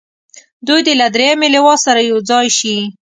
دوی دې له دریمې لواء سره یو ځای شي.